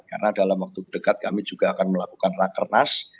karena dalam waktu dekat kami juga akan melakukan rakernas